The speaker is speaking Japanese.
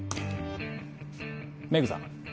メグさん